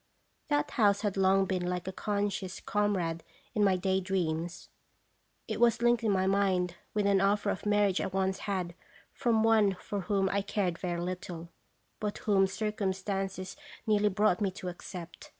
That house had long been like a conscious comrade in my day dreams. It was linked in my mind with an offer of marriage I once had from one for whom I cared very little, but whom circumstances nearly brought me to accept.